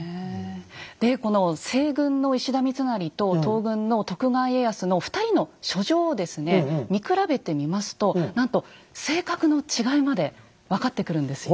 でこの西軍の石田三成と東軍の徳川家康の２人の書状をですね見比べてみますとなんと性格の違いまで分かってくるんですよ。